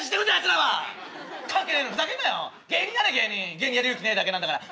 芸人やる勇気ないだけなんだから。